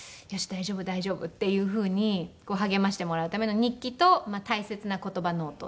大丈夫大丈夫」っていうふうに励ましてもらうための日記と大切な言葉ノートっていう。